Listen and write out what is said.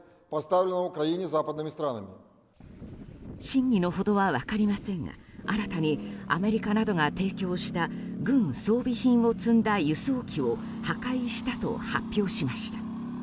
真偽のほどは分かりませんが新たにアメリカなどが提供した軍装備品を積んだ輸送機を破壊したと発表しました。